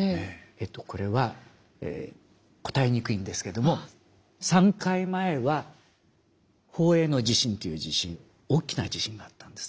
えっとこれは答えにくいんですけども３回前は宝永の地震という地震大きな地震があったんですね。